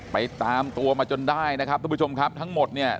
ไปตามตัวมาจนได้นะครับทุกผู้ชมครับทั้งหมดเนี่ย